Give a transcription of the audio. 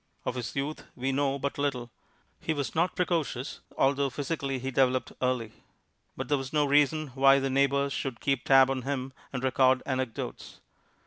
Of his youth we know but little. He was not precocious, although physically he developed early; but there was no reason why the neighbors should keep tab on him and record anecdotes.